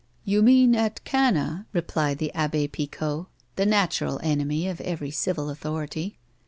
" You mean at Cana," replied the Abbe Picot, the natural enemy of every civil authority.